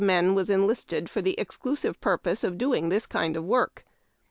men was enlisted for the exclusive pur[)Ose of doing this kind of work.